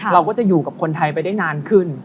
เราก็จะอยู่กับคนไทยไปได้นานขึ้น